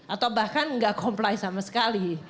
atau bahkan nggak comply sama sekali